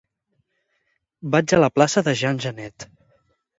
Vaig a la plaça de Jean Genet.